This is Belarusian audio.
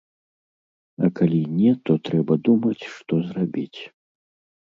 А калі не, то трэба думаць, што зрабіць.